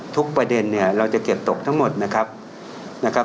ทุกประเด็นเนี่ยเราจะเก็บตกทั้งหมดนะครับ